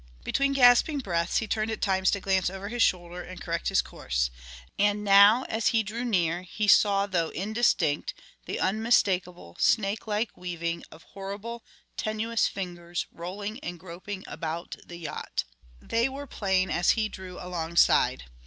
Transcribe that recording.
Between gasping breaths he turned at times to glance over his shoulder and correct his course. And now, as he drew near, he saw though indistinct the unmistakable, snakelike weaving of horrible tenuous fingers, rolling and groping about the yacht. They were plain as he drew alongside.